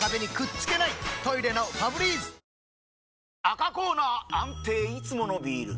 赤コーナー安定いつものビール！